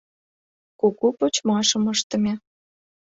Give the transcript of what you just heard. Кугу почмашым ыштыме.